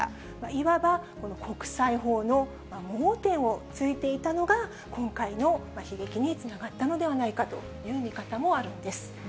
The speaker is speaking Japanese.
いわば国際法の盲点をついていたのが今回の悲劇につながったのではないかという見方もあるんです。